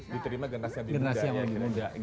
diterima generasi muda yang lebih muda